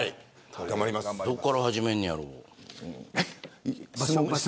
どっから始めんねやろ。